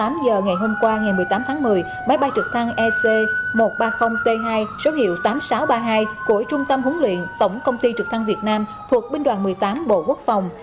máy bay trực thăng ec một trăm ba mươi t hai số hiệu tám nghìn sáu trăm ba mươi hai của trung tâm huấn luyện tổng công ty trực thăng việt nam thuộc binh đoàn một mươi tám bộ quốc phòng